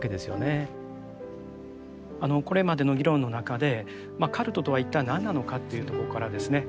これまでの議論の中でカルトとは一体何なのかというとこからですね